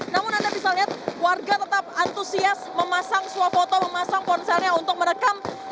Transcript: namun anda bisa lihat warga tetap antusias memasang swafoto memasang ponselnya untuk merekam